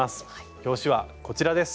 表紙はこちらです。